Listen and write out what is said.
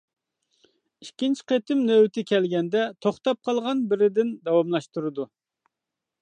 ئىككىنچى قېتىم نۆۋىتى كەلگەندە، توختاپ قالغان بىرىدىن داۋاملاشتۇرىدۇ.